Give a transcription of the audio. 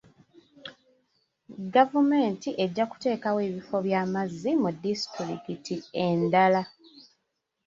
Gavumenti ejja kuteekawo ebifo by'amazzi mu disitulikiti endala.